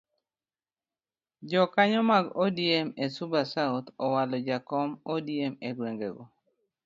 Jokanyo mag odm e suba south owalo jakom odm egwengego.